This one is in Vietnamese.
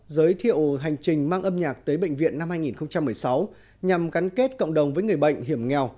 giới thiệu hành trình mang âm nhạc tới bệnh viện năm hai nghìn một mươi sáu nhằm gắn kết cộng đồng với người bệnh hiểm nghèo